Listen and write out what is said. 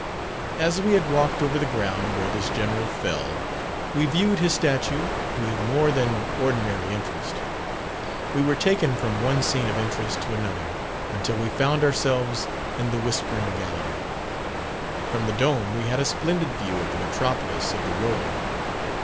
As we had walked over the ground where this General fell, we viewed his statue with more than ordinary interest. We were taken from one scene of interest to another, until we found ourselves in the "Whispering Gallery." From the dome we had a splendid view of the Metropolis of the world.